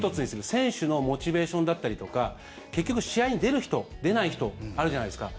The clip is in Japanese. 選手のモチベーションだったりとか結局、試合に出る人出ない人あるじゃないですか。